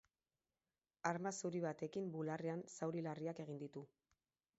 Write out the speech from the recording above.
Arma zuri batekin bularrean zauri larriak egin ditu.